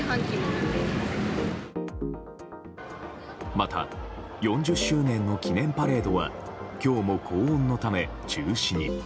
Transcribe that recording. また４０周年の記念パレードは今日も高温のため中止に。